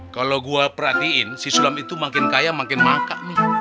kalau gue perhatiin si sulam itu makin kaya makin mata